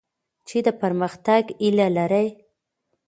چي د پرمختګ هیله لرئ.